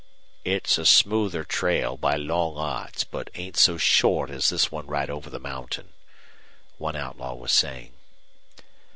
"It's a smoother trail by long odds, but ain't so short as this one right over the mountain," one outlaw was saying.